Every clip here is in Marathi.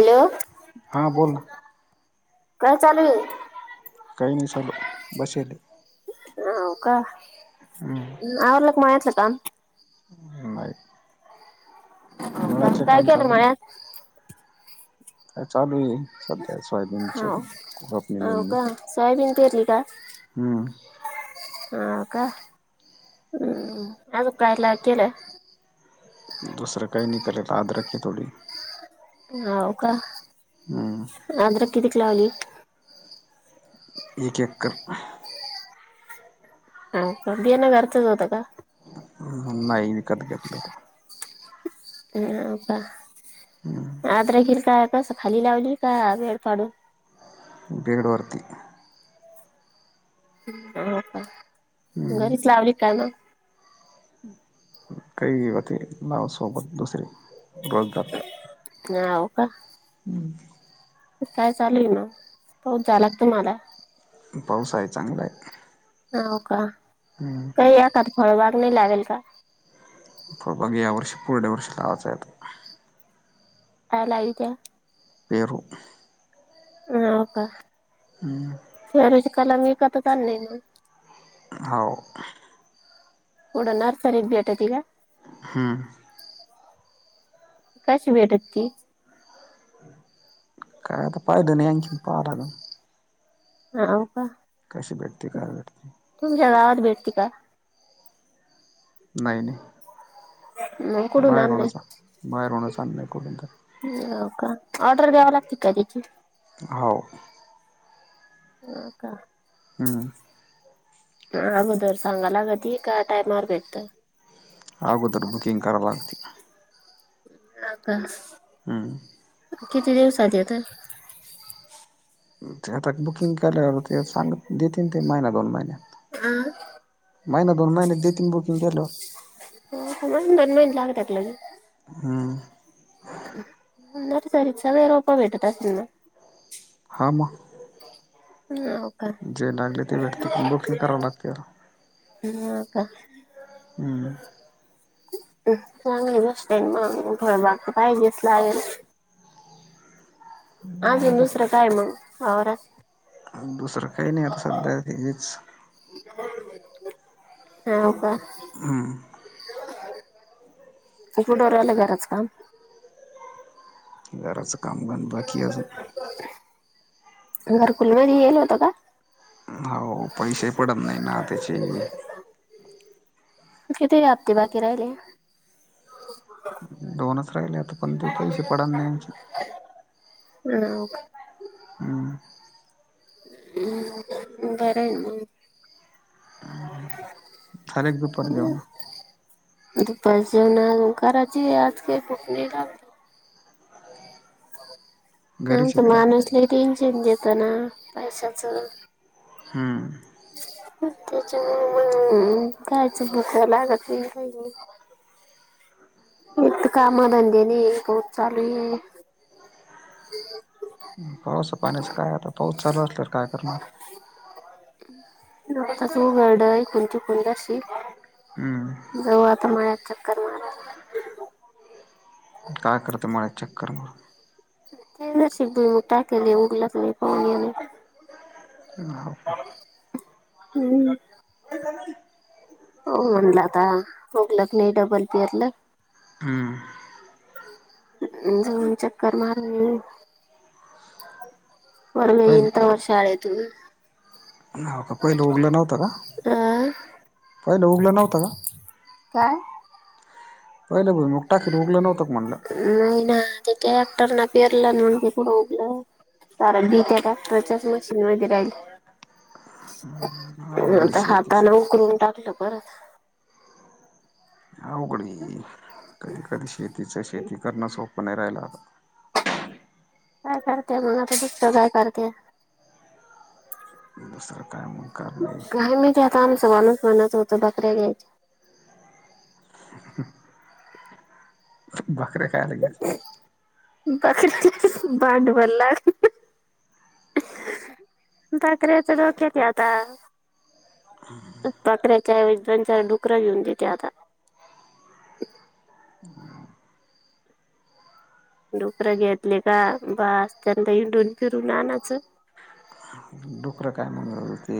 हॅलो हा बोल ना, काय चालू आहे? काही निस बसेल ये व का हम्म आला माया वाटतं काम [inaudible] नाही हो का मळ्यातले काय काम केलं चालू आहे. मळ्यात? चालू आहे सध्या सोयाबीन च खुरपणी सोयाबि पेरली का आज हम् ह का ह् आ दु प्रयला हकले [inaudible] दुसरं काही निकले आदरखे थोडी होव का. हा आद्रक किती क लावली. रिजेक्ट कर. हा का बीयान घरचंच होत का? नाही विकत घेतलं. हो का, आज राखील काय कसं खाली लावली का वेळ पाडून बेडवर्ती हम्म घरीच लावली काय म काही होती नावसोबत दुसरीे रोजदार हो का, काय चालू आहे मग, पाऊस झाला काय तुम्हाला पाऊस आहे चांगला आहे. हो का, हम्म फळबाग येतात त्यात [inaudible] फ मग या वर्षी पुढल्या वर्षी लावायचं येतं. काय लावीत्या पेरू ह का सुरज कलानी कास चाल नाही ना हो कुठ नर्सरीत भेटती का, हम कशी भेटत ती काता प पायदेनी आणच्या प पा ह हो का. कशी भेटते काय भेटते. तुमच्या गावात भेटती का? नाही नाही, मग कुठून बाहेर आणले होनाचा बाहेर होणं चाल नाही कुठून तर हो का, ऑर्डर द्यावा लागते का त्याची? हो हा का. हम अगोदर सांगा लागती का टायमावर भेटतं? अगोदर बुकिंग करावं लागती. हा का? हम् किती दिवसात येतं? ते आता बुकिंग केलं ते सांग, देतीन ते महिना दोन महिन्यात महिना दोन महिनेत देतील बुकींग केल्यावर. हो महिने दिन महिने लागत्यात म्हणे हम नर्सरीत सगळी रोपं भेटत असतील ना? हा म ह जे लागले ते भेटते पण बुकिंग करावं लागते राव. ह का हम्म चांगली [unintelligible] अजून आता दुसरं काय मग वावरात? दुसरं काही नाही आता सध्या हेच ह का? हम्म कुठवर आलं घराच काम? घराचं काम पण बाकी आहे अजून. घरकुल मिळालं होत का? हो पैसे पडत नाही ना त्याचे, किती हप्ते बाकी राहिले? दोनच राहिले आता पण ते पैसे पडना त्यांचे. ह हम्म बरंय मग झाले का दुपार जेवण [unintelligible] दुपारचे ना करायचं आज काय भूक नाय लागली. त्यामुळं घरीच तर आहेत काय माणूस लय टेन्शन घेतना पैशाचं. हम् त्याच्यामुळं मग कायचं भूक लागत नाय. एक तर कामाधंदे नाय काऊत चालू आहे. [unintelligible] पाऊस पाण्याचं काय आता, पाऊस चालू असल्यावर काय करणार. [unintelligible] हम्म जाऊ आता मळ्यात चक्कर मारायला. काय करते मळ्यात चक्कर मारु [unintelligible] मुग टाकले उगलाच नाही पाण्यानं. ह ह हम्म हो म्हणला आता, उगलंच नाही डबल पेरलं. हम्म जाऊन चक्कर मारण येऊया पोरगं येईल पहिले तेव्हा शाळेतून हाव का पहिलं उगलं नव्हतं का अं पहिलं उगलं नव्हतं का काय पहिले बघ मग टाकीेर उगलं नव्हतं म्हणलं नाही ना ते आता ना पेअरला म्हणून कुठ उरलंय सार बी त्या ट्रॅक्टरच्याच मशीन राहील अवघड आहे ता शेती हाताने उकरून टाकलं परत ह उघडी कधी कधी शेतीचं शेती करणं सोपं नाही राहिलं काय करतेय मग आता गुपत काय करते ह दुसर काय मग कारण आहे काही माहित आता आमचं माणूस म्हणत होत बकऱ्या घ्यायचे बकऱ्या खायला घ्यायच्या बकरी ही ही भांडवला बकऱ्याच आहे आता डोक्यात बकऱ्यांचा ऐवजी दोन चार डुकर घेऊन देते आता हम् डुकऱ घेतले का बस त्यांना हिंडून फिरून आणचं डुकरं काय मग ते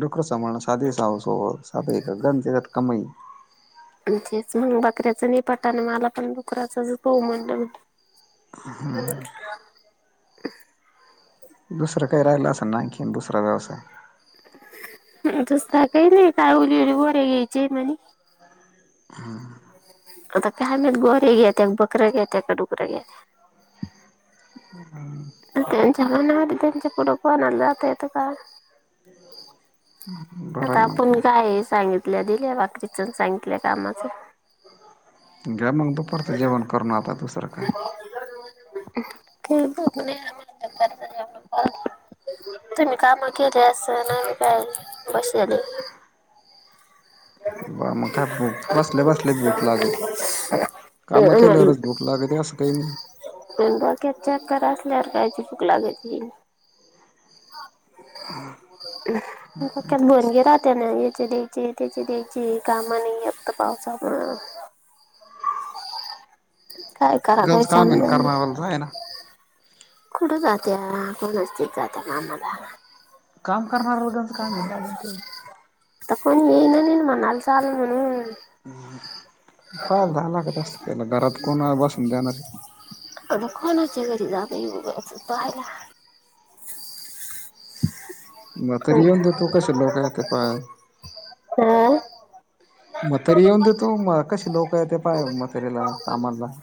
डुकर संभाळण साधे सहसो साधे आहे का कमई म्हणजेच मग भाकऱ्याच नाही पत्ता आणि मला पण डुक डुकराचाच बोऊ म्हणटल हा हो दुसरं काही राहिलं असं ना आणखी दुसरा व्यवसाय आहे का तस काही नाही का उली गुरे घ्यायचे म्ह हां आता कायम गोरे घेतात का बकर घेतात का डुकरा घेतात हम तेंच्या मनापुढे कुणाला जाता येतं का ह हम ह आता आपण काय सांगितल्या दिल्या भाकरी च सांगितल्या कामाच दया मग दुपरचं जेवण करून आता दुसर काय [inaudible] तुमही काम केलय ना तस काय नाही बसलाय ब मग काय बसल्या बसल्या भूक लागती कामं केल्यावरच भूक लागत असं काही नाही बक चेक करा असले कायची बुक लागती बन घे राहतनेचेरी ज त्याचे तेचे कामा नाही य तर पावसामुळं काा काररा गंज कायच्याम काम आहे द करणाऱ्याला नाही आहे ना कुठं जाते कोणस्थित जाते का आम्हाला काम करणार्या लोघांचं काय म्ह आता कोणी येईना नन मण अलासा आल म्हणून का झा लागत असत त्याला घरात कोण बसून देणारी आ कोणचे घरी जा पायला मग तरी येऊन देतू कसे लोक येत पाय हा मथेरी येऊन देतो कशी लोक य ते पाय मथेरीला कामाला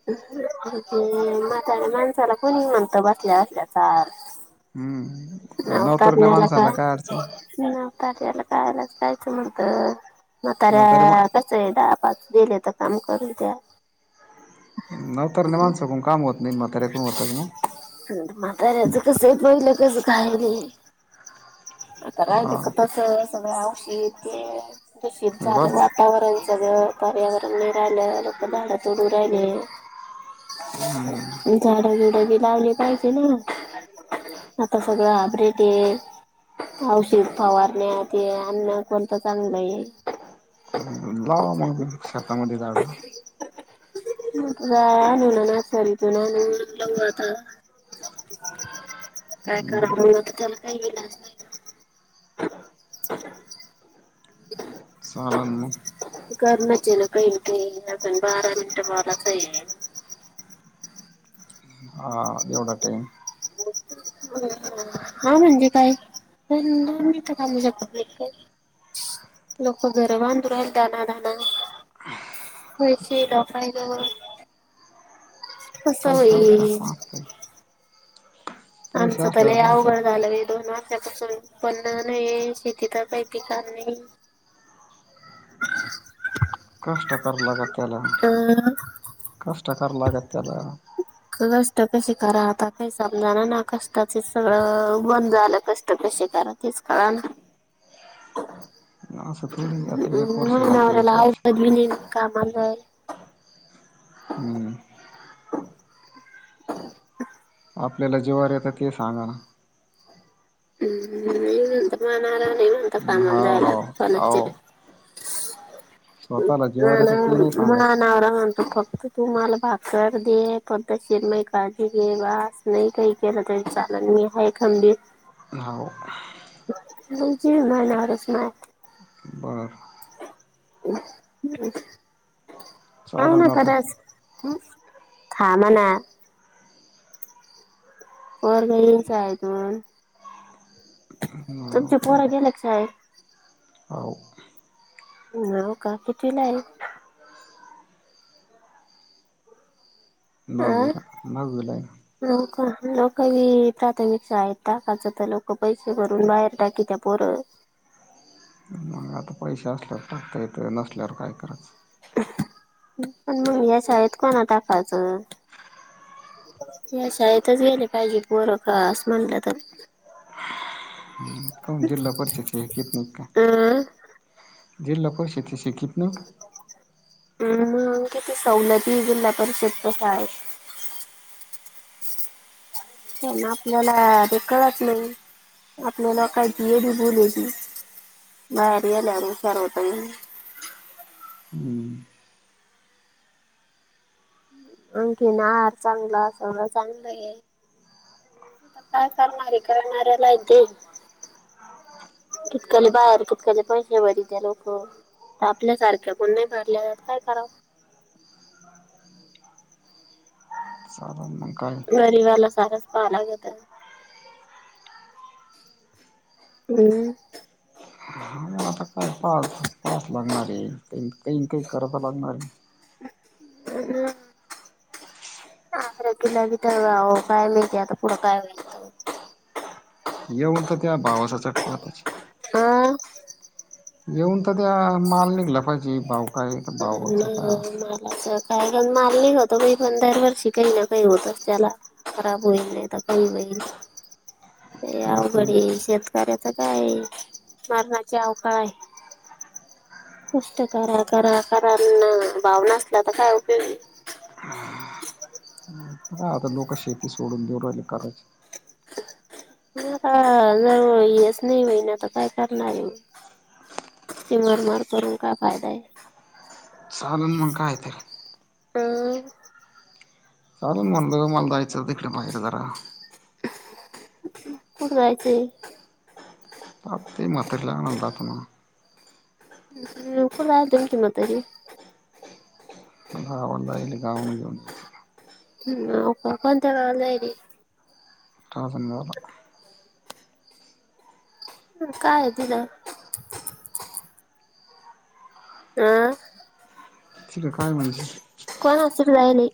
ह महात्यरा माणसाला कोणी म्हणतं बसल्या बसल्याचाल हम्म नवतरन्या माणसाला काय अडचण नवतऱ्याला कायलाच कायचं न्हवत म्हाताऱ्या दहा पाच दिले तर काम करून द्या! नवतरन्या माणसं कडून काम होत नाही म्हाताऱ्या कडन होत मग? म्हाताऱ्याचा कसं आहे पहिलं कसं काय आता राहिले का तस सगळ आवशीत ते दूषित हा झालं बस वातावरण सगळं पर्यावरण नाही राहिलं लोकं झाडतोडू राहिले. हम्म! झाडं जुडं बी लावले पाहिजे ना! आता सगळ हायब्रेट आहे. औषध फवारण्या ते अन्न कोणतं चांगलं आहे? लावामाग शेतामध्ये झाड! [unintelligible] काय कराव तर त्याला काही इलाज नाय. स्वाला न करण्याचे ना काही ना काही आपण बारा मिनट बोलायचं आहे. हा एवढ टाईम! हा म्हणजे काय! पण दोन मिंट थांबू शकतात नाय का? लोक घरबांधू राहिल दणा दणा! होची लोकांजवळ कसं पैसे असल्यावर होईल! पाहतय पैसे आमचं त असल्यावर लय पाहतय अवघड झालं बाई दोन त्यापासून उत्पन्न नाही शेती करता येती का नाय? कष्टकर लागतला त्याला, अ कष्टकर लागतला त्याला! कष्ट कसे करा आता काही समजाणार ना कष्टाचे सगळं बंद झालं कष्ट कसे करा? तेच काण आस थोड आहे आता एक वर्ष जात एक वर्ष [unintelligible] कामाचं हम्म. आपल्याला जेवार येतं ते सांगा ना! आम्हाला नाय म्हणत ना कामाला हाव जायला हाव कोणाच्या! [inaudible] जीवावर मला येतं ते नाही माया सांगायचं नावरा म्हणतो फक्त! तू मला भाकर दे पद्धशीर माई काळजी घे बस नाही काही. तेज तेच चालेल मी आहे खंबीर. हाव! मी जेवणाच नाय आता. बरं! हो चालन ना आता खरचं. खा म्हणा! पोर घरीच आहे म्हण. हम्म तुमचे पोर गेल्या का शाळेत? हो! हो का कितवीला हाईत? नववी ला आहेत. हो का, लोका बी प्राथमिक शाळेच टाकायच त लोक पैसे भरून बाहेर टाकत्या पोरं. [unintelligible] आता पैसे असल्यावर टकता येत, नसल्यावर काय करायचं? [unintelligible] पण मंग ह्या शाळेत कोणा टाकायचं? या शाळेतच गेले पाहिजे पोर का, अस म्हणलं तर? काऊन जिल्हा परिषदेचे कितन काय, अं जिल्हा परिषदेच्या कितन ह मग किती सवलती जिल्हा परिषद कस आहे पण आपल्याला ते कळत नाही, आपल्याला काय ती येडी बोलती. नाही आता सारवता येईल. हम् आणखीन आहार चांगला, सगळं चांगलं आहे. आता काय करणार ये, करणाऱ्याला ते [unintelligible] तितकले बाहेर, कितकाले बाहेर पैशे भरीत्या लोक आपल्या सारख्या कुण नाही भरल्या जात काय करावं आम्, काय? परिगाला सारंच पहावं लागतं. हम्म. आता काय पाहाच पावच लागणारे, काही काही करावं तर लागणार ये [unintelligible] [unintelligible] [unintelligible] येऊन का त्या भावाचा [unintelligible] आ येऊन त द्या माल निघला पाहिजे भाव काय ये, भाव च काय ये [unintelligible] [unintelligible] मारली न तुम्ही पण दरवर्षी काही न काही होतच त्याला खराब होईन नाही तर, काय होईन लय तेच अवघड नाही ये शेतक [unintelligible] नुसत करा, करा, करा, बावळा असला तर काय उपयोग ये. हा आता लोक शेती सोडून देऊ राहिले करायची. [unintelligible] हेच नाही होईन तर काय करणारे ये. तिची मर मर करून काय फायदा आहे. चालेल मग काय तर आम् चालन म्हणलं मला जायचं तिकडें बाहेर जरा. कुठ जायचय? आता ते म्हातारी ला आणायला जातो मी. लवकर वारली त्यांची म्हातारी. [unintelligible] [unintelligible] हम हो का? कोणत्या गावाला जायेल हे. धामणगावला. काय दिलं? अं... तुज काय म्हण ये? कोण हसून राहीले?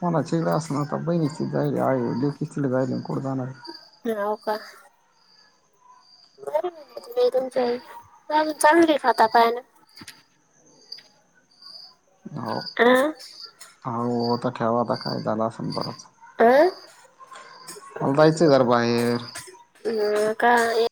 कोणाची का असेना, पण बहीणीची दया आहे लेकीची राहीलेली कूड जाणारे? हम्, हो का? तुमची आई? का गं? चांगलीत हाता-पायानं. हो अं हो आता ठेवा आता, काय झालं असेल बरंच मला जायचंय जरा बाहेर. आम् का?